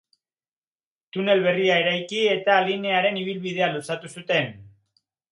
Tunel berria eraiki, eta linearen ibilbidea luzatu zuten.